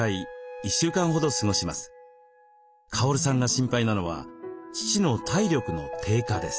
カオルさんが心配なのは父の体力の低下です。